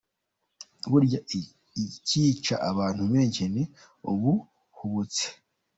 Burya ikica abantu benshi ni ubuhubutsi!